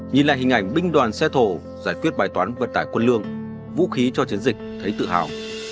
nhìn lại hình ảnh binh đoàn xe thổ giải quyết bài toán vận tải quân lương vũ khí cho chiến dịch thấy tự hào